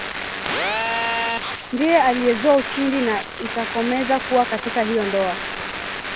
ndiye aliyezoa ushindi na itakomeza kuwa katika hiyo ndoa